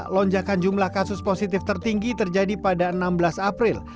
lonjakan jumlah kasus positif tertinggi terjadi pada enam belas april